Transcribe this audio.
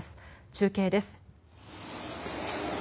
中継です。